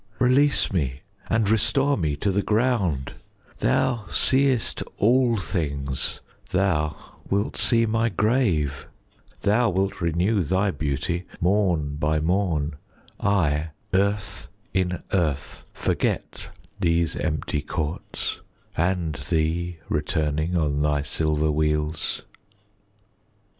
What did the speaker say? Release me, and restore me to the ground; Thou seest all things, thou wilt see my grave: Thou wilt renew thy beauty morn by morn; I earth in earth forget these empty courts, And thee returning on thy silver wheels.